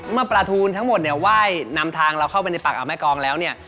เมื่อปลาทูนทั้งหมดเนี่ยไหว้นำทางเราเข้าไปในปากกับแม่กองแล้วเนี่ย